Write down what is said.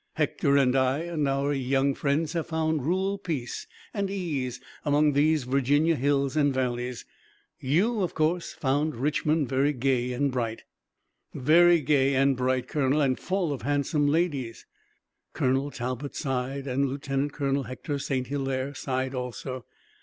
Hector and I and our young friends have found rural peace and ease among these Virginia hills and valleys. You, of course, found Richmond very gay and bright?" "Very gay and bright, Colonel, and full of handsome ladies." Colonel Talbot sighed and Lieutenant Colonel Hector St. Hilaire sighed also.